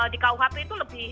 di kuhp itu lebih